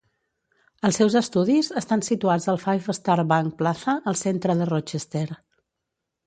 Els seus estudis estan situats a Five Star Bank Plaza al centre de Rochester.